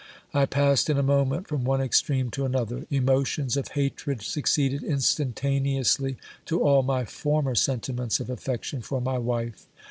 I passed in a moment from one extreme to an other : emotions of hatred succeeded instantaneously to all my former sentiments of affection for my wife.